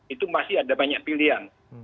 itu masih ada banyak pilihan